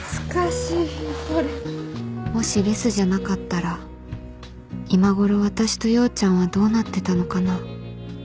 もしレスじゃなかったら今ごろ私と陽ちゃんはどうなってたのかな